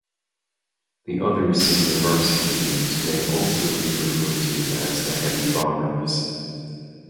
The other senior varsity teams may also be referred to as the Heavy Bombers.